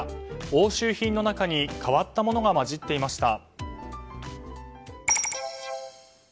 押収品の中に変わったものが混じっていました。